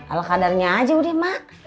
alkadarnya aja udah mak